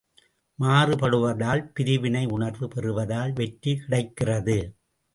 மாறுபடுவதால் பிரிவினை உணர்வு பெறுவதால் வெற்றி கிடைக்கிறது!